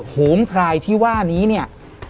โหมพลายที่ว่านี้